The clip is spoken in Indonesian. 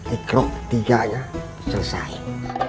ikrok tiganya selesai